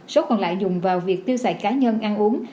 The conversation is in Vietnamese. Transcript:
số còn lại dùng vào việc tiêu xài cá nhân ăn uống